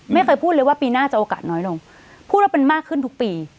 ไม่เคยพูดเลยว่าปีหน้าจะโอกาสน้อยลงพูดว่าเป็นมากขึ้นทุกปี